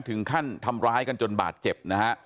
ถึงขั้นทำร้ายกันจนบาดเจ็บนะฮะ